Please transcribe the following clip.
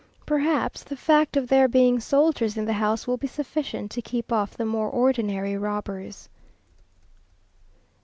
Perhaps the fact of there being soldiers in the house will be sufficient to keep off the more ordinary robbers.